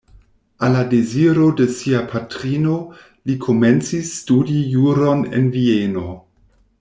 Al la deziro de sia patrino li komencis studi juron en Vieno.